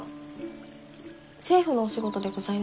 政府のお仕事でございますか？